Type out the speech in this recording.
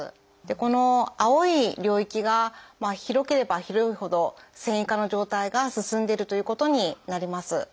この青い領域が広ければ広いほど線維化の状態が進んでるということになります。